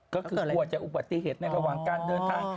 ก็คือกลัวจะอุบัติเหตุในระหว่างการเดินทาง